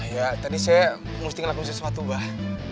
ya tadi saya mesti ngelakuin sesuatu bah